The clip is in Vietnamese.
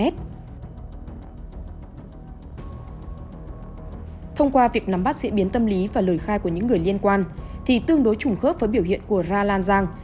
thông qua việc nắm bắt diễn biến tâm lý và lời khai của những người liên quan thì tương đối trùng khớp với biểu hiện của ra lan giang